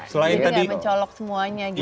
jadi tidak mencolok semuanya gitu